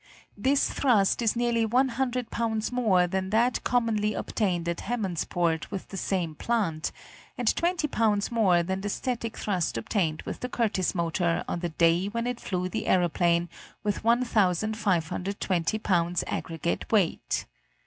This thrust is nearly 100 pounds more than that commonly obtained at Hammondsport with the same plant, and 20 pounds more than the static thrust obtained with the Curtiss motor on the day when it flew the aeroplane with 1,520 pounds aggregate weight.